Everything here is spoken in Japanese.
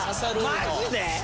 マジで？